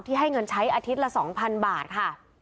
ที่ให้เงินใช้อาทิตย์ละสองพันบาทค่ะ